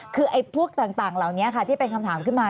คือพวกต่างเหล่านี้ค่ะที่เป็นคำถามขึ้นมา